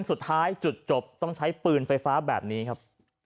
สุดท้ายจุดจบต้องใช้ปืนไฟฟ้าแบบนี้ครับ